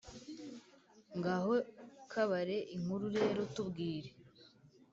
ngaho kabare inkuru rero, tubwire